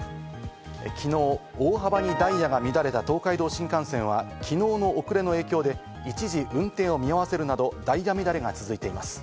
きのう大幅にダイヤが乱れた東海道新幹線はきのうの遅れの影響で一時運転を見合わせるなど、ダイヤ乱れが続いています。